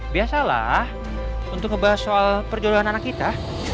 biasalah untuk ngebahas soal perjodohan anak kita